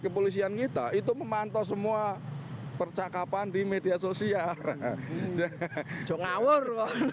kepolisian kita itu memantau semua percakapan di media sosial jong awar